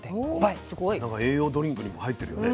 なんか栄養ドリンクにも入ってるよね